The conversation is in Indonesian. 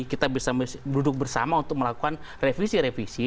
kita bisa duduk bersama untuk melakukan revisi revisi